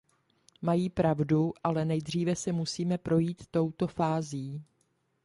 Mají pravdu, ale nejdříve si musíme projít touto fází.